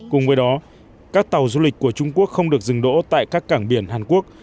cùng với đó các tàu du lịch của trung quốc không được dừng đỗ tại các cảng biển hàn quốc